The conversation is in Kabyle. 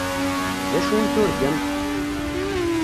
D acu i turgamt?